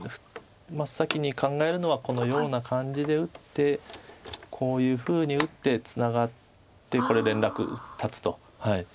真っ先に考えるのはこのような感じで打ってこういうふうに打ってツナがってこれ連絡断つと。